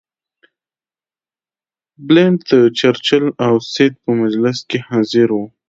بلنټ د چرچل او سید په مجلس کې حاضر وو.